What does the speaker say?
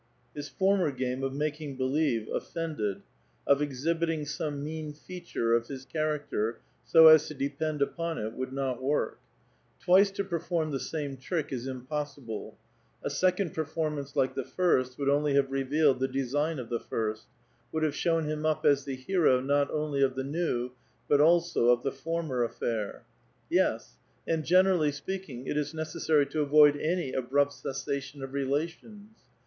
His former game of making beXlejve offended, of exhibiting some mean feature of Ins chsxracter so as to depend upon it, would not work ; twice to pei f'orm the same trick is impossible ; a second performance lik:^ the first would only have revealed the design of the first, would have shown him up as the hero not only of the new, but also of the former affair. Yes ; and generally speaking, it is necessary to avoid an}' abrupt cessation of relations.